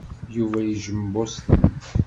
Yuba yejjem Boston.